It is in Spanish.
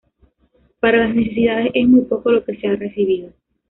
Para las necesidades es muy poco lo que se ha recibido".